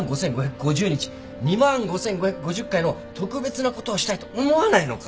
２万 ５，５５０ 回の特別なことをしたいと思わないのか？